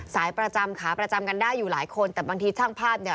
ประจำขาประจำกันได้อยู่หลายคนแต่บางทีช่างภาพเนี่ย